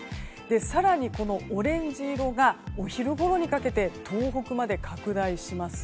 更に、このオレンジ色がお昼ごろにかけて東北まで拡大します。